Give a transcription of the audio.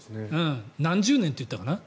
何十年と言ったかな。